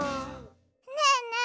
ねえねえ